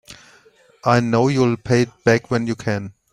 I know you'll pay it back when you can.